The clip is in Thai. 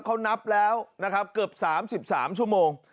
เขานับแล้วนะครับเกือบ๓๓ชั่วโมง